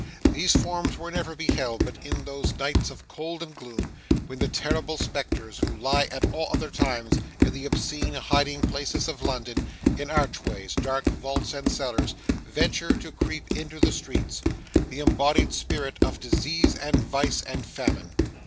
These forms were never beheld but in those nights of cold and gloom, when the terrible spectres, who lie at all other times in the obscene hiding places of London, in archways, dark vaults and cellars, venture to creep into the streets; the embodied spirits of Disease, and Vice, and Famine.